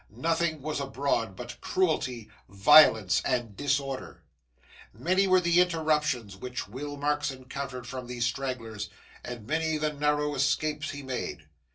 Nothing was abroad but cruelty, violence, and disorder. Many were the interruptions which Will Marks encountered from these stragglers, and many the narrow escapes he made.